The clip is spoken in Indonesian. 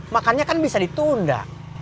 makannya kan bisa ditunda